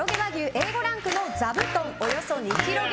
Ａ５ランクのザブトンおよそ２ｋｇ。